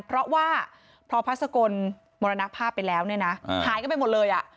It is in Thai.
เพราะว่าพอพระสกลมรณภาพไปแล้วเนี่ยนะหายกันไปหมดเลยอ่ะ